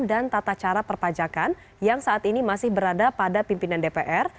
dan tata cara perpajakan yang saat ini masih berada pada pimpinan dpr